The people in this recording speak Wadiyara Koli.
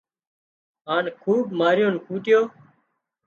هانَ خوٻ ماريو ڪوٽيو